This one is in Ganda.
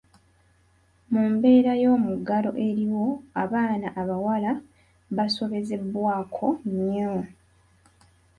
Mu mbeera y’omuggalo eriwo, abaana abawala basobezebwako nnyo.